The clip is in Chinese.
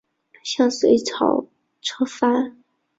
向隋朝称藩。